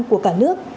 của cả nước